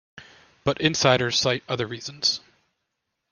But insiders cite other reasons.